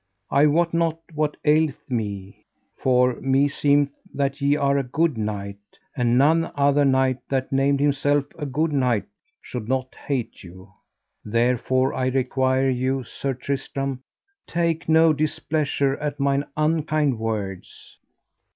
I wot not what aileth me, for meseemeth that ye are a good knight, and none other knight that named himself a good knight should not hate you; therefore I require you, Sir Tristram, take no displeasure at mine unkind words.